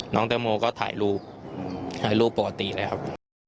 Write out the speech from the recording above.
น้องแตงโมก็ถ่ายรูปถ่ายรูปปกติเลยครับ